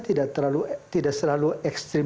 tidak terlalu tidak selalu ekstrim